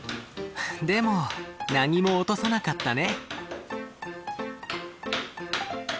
でも何も落とさなかったね。